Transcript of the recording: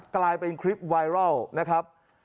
กลายเป็นคลิปไวรัลนะครับ